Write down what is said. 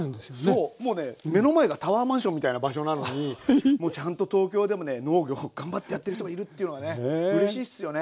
そうもうね目の前がタワーマンションみたいな場所なのにちゃんと東京でもね農業頑張ってやってる人がいるっていうのがねうれしいっすよね。